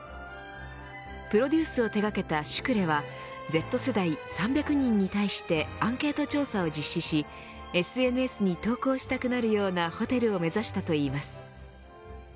プロデュースを手掛けたＳｕｃｌｅはＺ世代３００人に対してアンケート調査を実施しＳＮＳに投稿したくなるようなホテルを目指したといいます。